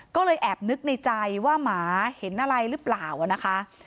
ก็เลยแอบนึกในใจว่าหมาเห็นอะไรหรือเปล่านะคะ